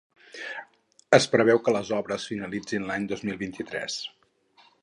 Es preveu que les obres finalitzin l’any dos mil vint-i-tres.